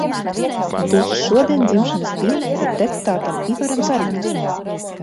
Un tieši šodien dzimšanas diena ir deputātam Ivaram Zariņam.